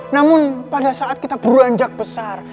namun pada saat kita beranjak besar